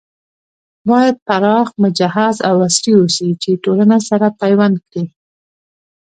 بايد پراخ، مجهز او عصري اوسي چې ټولنه سره پيوند کړي